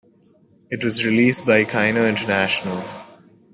It was released by Kino International.